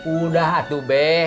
udah tuh be